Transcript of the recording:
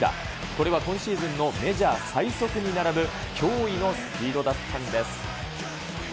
これは今シーズンのメジャー最速に並ぶ、驚異のスピードだったんです。